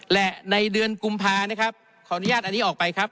และในเดือนกุมภานะครับขออนุญาตอันนี้ออกไปครับ